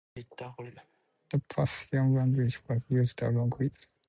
The Persian language was used along with Hebrew in prayer at the Synagogue.